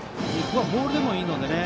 ボールでもいいのでね。